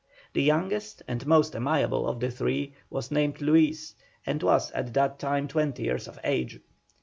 The youngest and most amiable of the three, was named Luis, and was at that time twenty years of age.